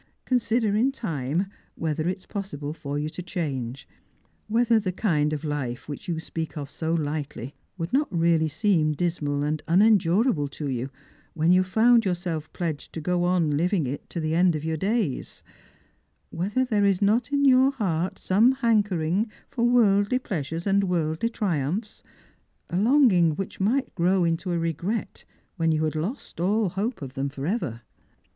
Consider in time whether it is possible for you to change ; whether the kind of life which you speak of so lightly would not really seem dismal and unendur able to you when you found yourself pledged to go on living it t<i the end of your days ; whether there is not in your heart some hankering for worldly pleasures and worldly triumphs: a longing which might grow into a regret when you had lost all hope of them for ever.